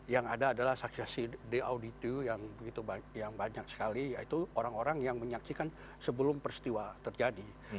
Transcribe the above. yang ada adalah saksi saksi di auditu yang banyak sekali yaitu orang orang yang menyaksikan sebelum peristiwa terjadi